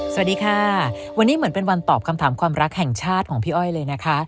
สวัสดีค่ะวันนี้เหมือนเป็นวันตอบคำถามความรักแห่งชาติของพี่อ้อยเลยนะคะ